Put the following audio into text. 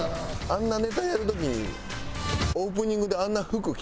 あんなネタやる時に。